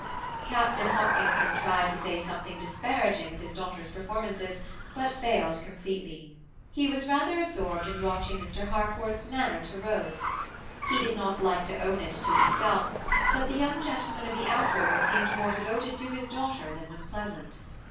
Captain Hopkinson tried to say something disparaging of his daughters' performances, but failed completely. He was rather absorbed in watching Mr. Harcourt's manner to Rose; he did not like to own it to himself, but the young gentleman of the outrigger seemed more devoted to his daughter than was pleasant.